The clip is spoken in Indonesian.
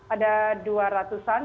ada dua ratusan